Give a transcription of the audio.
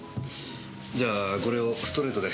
じゃあこれをストレートで。